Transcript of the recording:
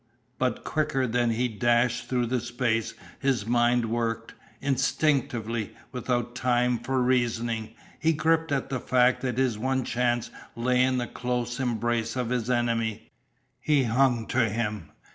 But quicker than he dashed through space his mind worked. Instinctively, without time for reasoning, he gripped at the fact that his one chance lay in the close embrace of his enemy. He hung to him.